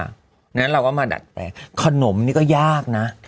ฉะนั้นเราก็มาดัดแขกขนมนี่ก็ยากนะ